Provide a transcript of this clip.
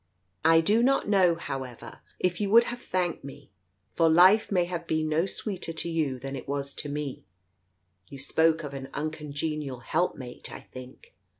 I do not know, however, if you would have thanked me, for life may have been no sweeter to you than it was to me — you spoke of an uncongenial helpmate, I think?